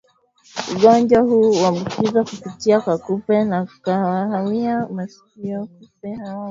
Ugonjwa huu huambukizwa kupitia kwa kupe wa kahawia wa masikioni Kupe hawa hubeba viini